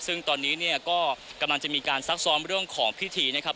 ซึ่งตอนนี้เนี่ยก็กำลังจะมีการซักซ้อมเรื่องของพิธีนะครับ